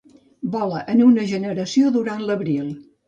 Vola en una generació durant l'abril.